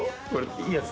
いいやつ。